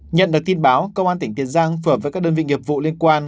nhận được tin báo công an tỉnh tiền giang phở với các đơn vị nghiệp vụ liên quan